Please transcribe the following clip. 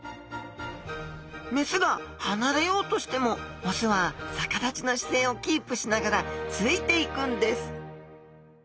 雌が離れようとしても雄は逆立ちの姿勢をキープしながらついていくんです。